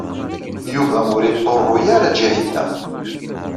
Yuba ur iṭurru ara Ǧahida.